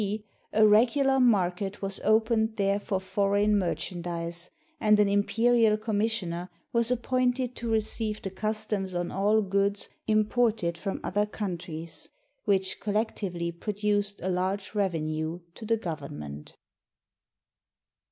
d. a regular market was opened there for foreign merchandise, and an im perial commissioner was appointed to receive the customs on all goods imported from other countries, which col lectively produced a large revenue to the Government.